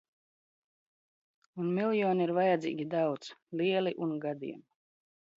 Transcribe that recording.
Un miljoni ir vajadzīgi daudz, lieli un gadiem...